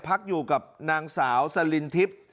พักอยู่กับนางสาวสลินทิพย์